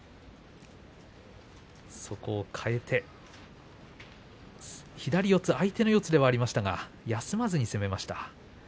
そこを変えて左四つ、相手の四つではありましたが休まず攻めました。